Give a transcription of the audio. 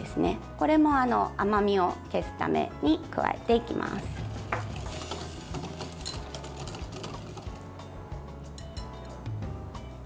これも甘みを消すために加えていきます。